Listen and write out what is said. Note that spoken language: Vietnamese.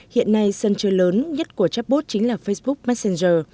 hiện nay sân chơi lớn nhất của chatbot chính là facebook messenger